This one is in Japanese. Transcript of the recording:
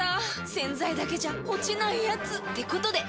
⁉洗剤だけじゃ落ちないヤツってことで。